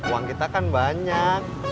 uang kita kan banyak